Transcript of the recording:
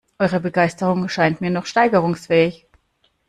Eure Begeisterung scheint mir noch steigerungsfähig.